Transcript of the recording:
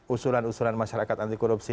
usulan usulan masyarakat anti korupsi